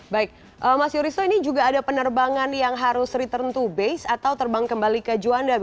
baik mas yuristo ini juga ada penerbangan yang harus return to base atau terbang kembali ke juanda